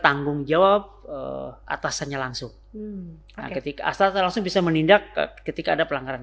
tanggung jawab atasannya langsung ketika asal langsung bisa menindak ketika ada pelanggaran